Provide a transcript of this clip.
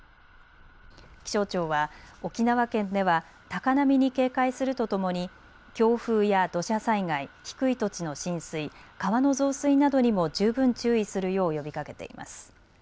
気象庁は沖縄県では高波に警戒するとともに強風や土砂災害、低い土地の浸水、川の増水などにも十分注意するよう呼びかけています。